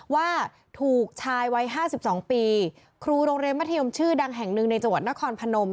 ว่าถูกชายวัย๕๒ปีครูโรงเรียนมัธยมชื่อดังแห่งหนึ่งในจังหวัดนครพนม